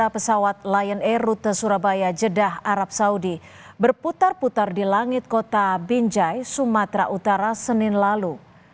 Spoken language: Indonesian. dua pesawat lion air rute surabaya jeddah arab saudi berputar putar di langit kota binjai sumatera utara senin lalu